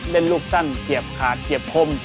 เล่นลูกสั้นเขียบขาดเขียบคม